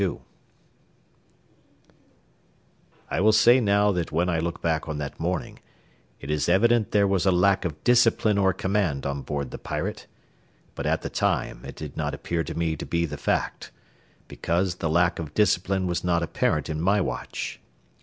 II I will say now that when I look back on that morning it is evident there was a lack of discipline or command on board the Pirate; but at the time it did not appear to me to be the fact, because the lack of discipline was not apparent in my watch.